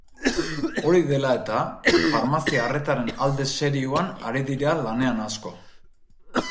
Hori dela eta, farmazia arretaren alde serioan ari dira lanean asko.